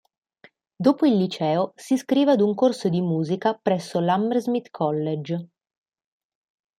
Dopo il liceo si iscrive ad un corso di musica presso l'Hammersmith College.